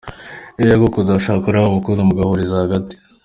Iyo yagukunze aba ashaka ko nawe umukunda mu gahuriza hagati.